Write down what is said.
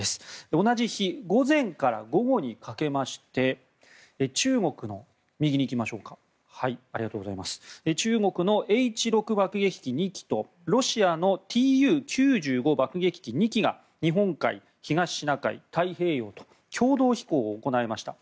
同じ日午前から午後にかけまして中国のＨ６爆撃機２機とロシアのＴＵ９５爆撃機２機が日本海、東シナ海、太平洋と共同飛行を行いました。